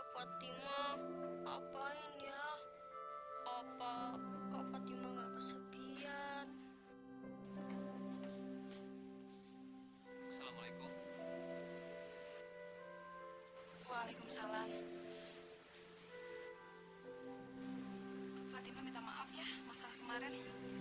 fatima minta maaf ya masalah kemarin